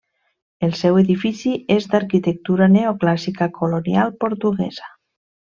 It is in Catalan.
El seu edifici és d'arquitectura neoclàssica colonial portuguesa.